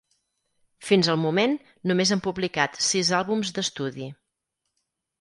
Fins al moment, només han publicat sis àlbums d'estudi.